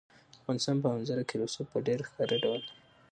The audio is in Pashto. د افغانستان په منظره کې رسوب په ډېر ښکاره ډول دي.